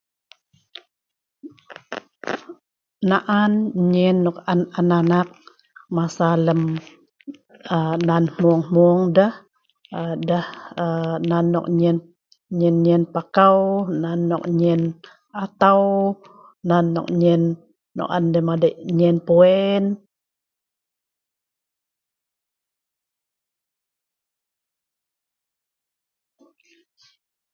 na'an nyen nok an an anak masa lem aa nan hmung hmung deh aa deh aa nan nok nyen nyen nyen pakau nan nok nyen atau nan nok nyen nok on lun madik nyen coin